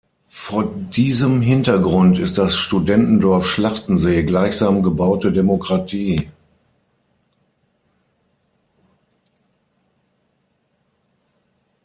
Vor diesem Hintergrund ist das Studentendorf Schlachtensee gleichsam „gebaute Demokratie“.